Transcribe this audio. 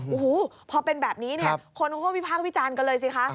อู้หูพอเป็นแบบนี้คนพูดวิพากรวิจารณ์กันเลยสิคะ